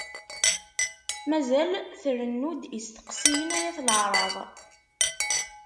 Mazal trennu-d isteqsiyen ay at laɛraḍ.